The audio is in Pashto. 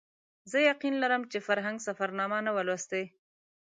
زه یقین لرم چې فرهنګ سفرنامه نه وه لوستې.